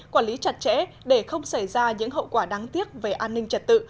quản lý chặt chẽ để không xảy ra những hậu quả đáng tiếc về an ninh trật tự